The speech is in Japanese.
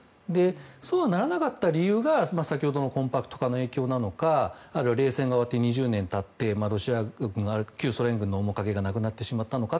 そうならなかった理由は先ほどのコンパクト化の影響なのかあるいは冷戦が終わって２０年経って旧ソ連軍の面影がなくなってしまたのかと。